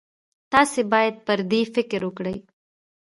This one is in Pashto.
تاسې باید پر دې فکر وکړئ.